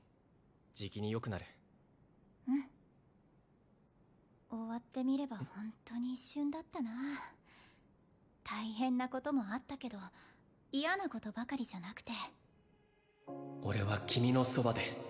じきによくなるうん終わってみればホントに一瞬だったな大変なこともあったけど嫌なことばかりじゃなくて俺は君のそばで